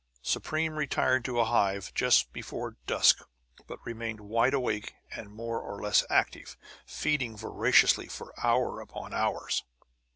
Supreme retired to a hive just before dusk, but remained wide awake and more or less active, feeding voraciously, for hours upon hours.